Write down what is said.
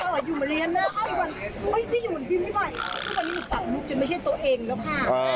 วันนี้ตัวลูกจนไม่ใช่ตัวเองแล้วค่ะ